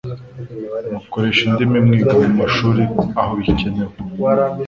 mukoresha indimi mwiga mu mashuri aho bikenewe